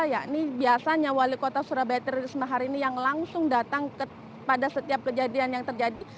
yakni biasanya wali kota surabaya tririsma hari ini yang langsung datang pada setiap kejadian yang terjadi